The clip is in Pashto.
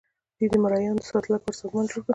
دوی د مرئیانو د ساتلو لپاره سازمان جوړ کړ.